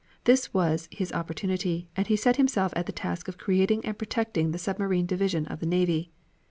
This was his opportunity, and he set himself at the task of creating and protecting the submarine division of the navy.